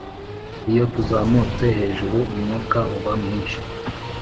iyo tuzamutse hejuru, umwuka uba mwinshi.